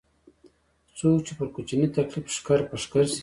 څوک چې پر کوچني تکليف ښکر په ښکر شي.